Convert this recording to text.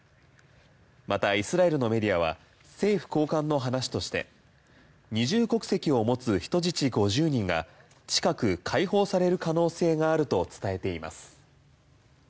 またイスラエルのメディアは政府高官の話として二重国籍を持つ人質５０人が近く解放される可能性があると伝えています。